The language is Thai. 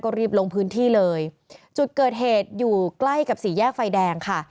รีบลงพื้นที่เลยจุดเกิดเหตุอยู่ใกล้กับสี่แยกไฟแดงค่ะ